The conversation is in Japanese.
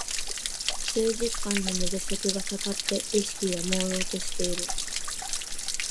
数日間の寝不足がたたって意識がもうろうとしている